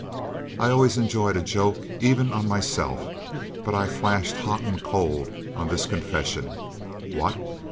I always enjoy a joke, even on myself, but I flashed hot and cold on this confession. What!